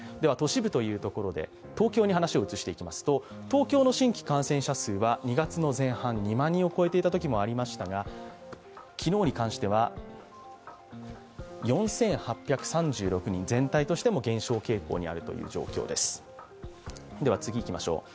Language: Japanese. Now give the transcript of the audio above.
都市部というところで東京に話を移していきますと、東京の新規感染確認者数は２月の前半、２万人を超えていたところもありあましたが、昨日に関しては４８３６人全体としても減少傾向にあるということです。